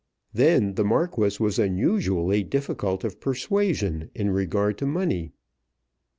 Then the Marquis was unusually difficult of persuasion in regard to money.